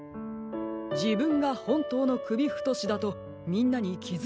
「じぶんがほんとうのくびふとしだとみんなにきづかせてほしい」。